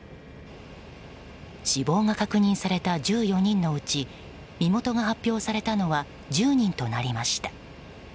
死亡が確認された１４人のうち身元が発表されたのは１０人となりました。